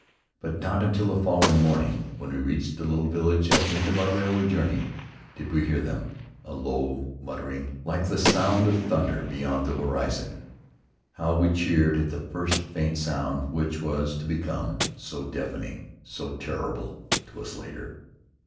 But not until the following morning, when we reached the little village at the end of our railway journey, did we hear them, a low muttering like the sound of thunder beyond the horizon. How we cheered at the first faint sound which was to become so deafening, so terrible to us later!